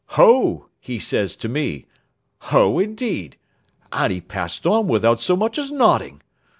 'Ho!' he says to me 'ho, indeed!' and he passed on without so much as nodding.